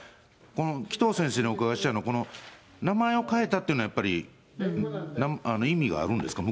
紀藤先生にお伺いしたいのは、名前を変えたっていうのは、やっぱり意味があるんですか？